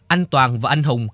anh toàn và anh hùng